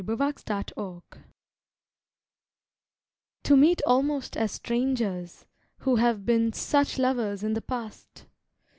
THE MEETING To meet almost as strangers, who have been Such lovers in the past!